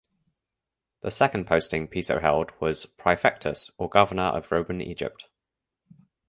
The second posting Piso held was "praefectus" or governor of Roman Egypt.